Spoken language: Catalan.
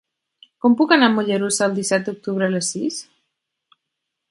Com puc anar a Mollerussa el disset d'octubre a les sis?